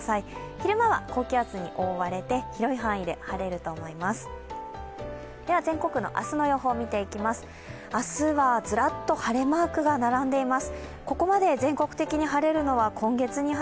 昼間は高気圧に覆われて広い範囲で晴れると思います。